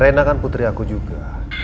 rena kan putri aku juga